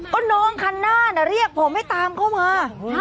ก็น้องคันหน้าเรียกผมให้ตามเข้ามา